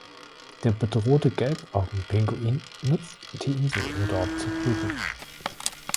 Der bedrohte Gelbaugenpinguin nutzt die Insel, um dort zu brüten.